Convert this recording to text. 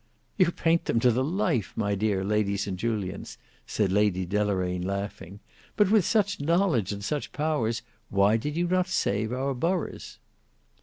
"You paint them to the life, my dear Lady St Julians," said Lady Deloraine laughing; "but with such knowledge and such powers, why did you not save our boroughs?"